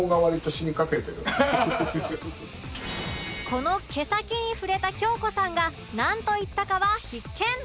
この毛先に触れた京子さんがなんと言ったかは必見！